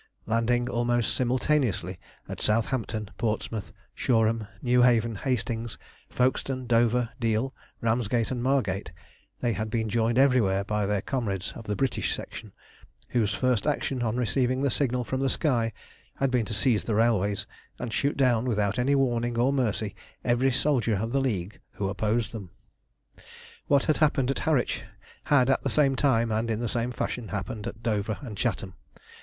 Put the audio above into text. Landing almost simultaneously at Southampton, Portsmouth, Shoreham, Newhaven, Hastings, Folkestone, Dover, Deal, Ramsgate, and Margate, they had been joined everywhere by their comrades of the British Section, whose first action, on receiving the signal from the sky, had been to seize the railways and shoot down, without warning or mercy, every soldier of the League who opposed them. What had happened at Harwich had at the same time and in the same fashion happened at Dover and Chatham.